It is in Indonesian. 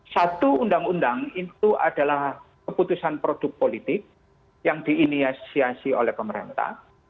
satu undang undang itu adalah keputusan produk politik yang diinisiasi oleh pemerintah